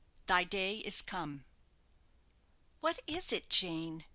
"THY DAY IS COME!" "What is it, Jane?"